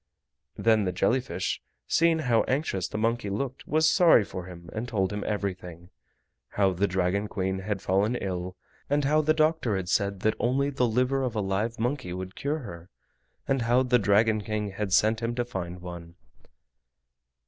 Then the jelly fish, seeing how anxious the monkey looked, was sorry for him, and told him everything. How the Dragon Queen had fallen ill, and how the doctor had said that only the liver of a live monkey would cure her, and how the Dragon King had sent him to find one.